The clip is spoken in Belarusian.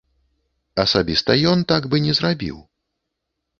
Асабіста ён так бы не зрабіў.